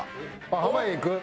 濱家いく？